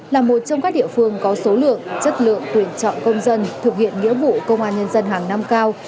là một trong các địa phương có số lượng chất lượng tuyển chọn công dân thực hiện nghĩa vụ công an nhân dân hàng năm cao